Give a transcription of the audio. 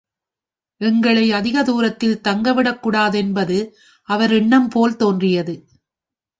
எங்களை அதிக தூரத்தில் தங்கவிடக் கூடாதென்பது அவர் எண்ணம்போல் தோன்றியது.